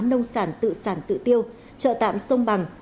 nông sản tự sản tự tiêu trợ tạm sông bằng